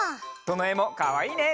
どのえもかわいいね。